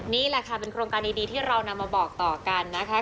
นี่แหละค่ะเป็นโครงการดีที่เรานำมาบอกต่อกันนะคะ